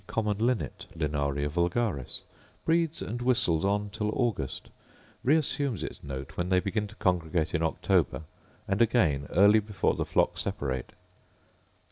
Common linnet, Linaria vulgaris: Breeds and whistles on till August; reassumes its note when they begin to congregate in October, and again early before the flock separate.